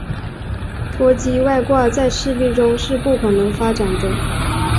脱机外挂在赤壁中是不可能发展的。